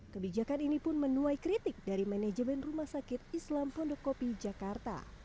kebijakan ini pun menuai kritik dari manajemen rumah sakit islam pondokopi jakarta